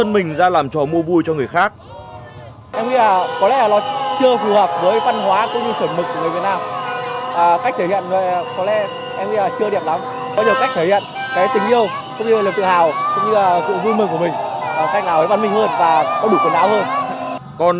nhưng mà không sao